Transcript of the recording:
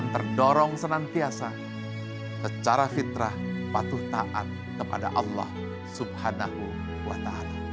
terdorong senantiasa secara fitrah patuh taat kepada allah swt